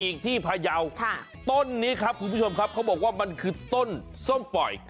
อีกที่พยาวต้นนี้ครับคุณผู้ชมครับเขาบอกว่ามันคือต้นส้มปล่อย